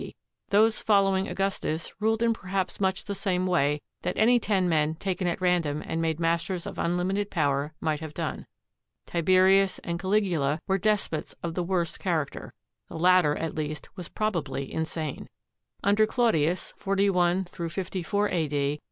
d. Those following Augustus ruled in perhaps much the same way that any ten men taken at random and made masters of unlimited power might have done. Tiberius and Caligula were despots of the worst character; the latter, at least, was probably insane. Under Claudius, 41 54 a.d.